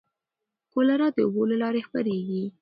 کولرا د اوبو له لارې خپرېږي.